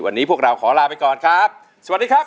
วันนี้พวกเราขอลาไปก่อนครับสวัสดีครับ